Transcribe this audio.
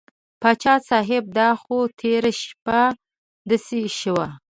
پاچا صاحب دا خو تېره شپه داسې شوه.